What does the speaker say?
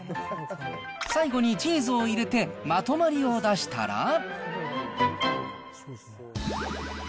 最後にチーズを入れてまとまりを出したら。